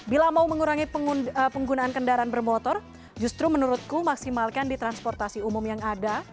bila mau mengurangi penggunaan kendaraan bermotor justru menurutku maksimalkan di transportasi umum yang ada